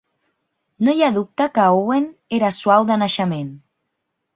No hi ha dubte que Owen era suau de naixement.